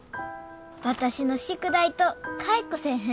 私の宿題と換えっこせえへん？